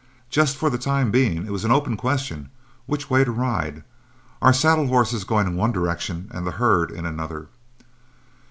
Just for the time being it was an open question which way to ride, our saddle horses going in one direction and the herd in another.